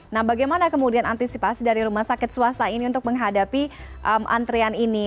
nah bagaimana kemudian antisipasi dari rumah sakit swasta ini untuk menghadapi antrian ini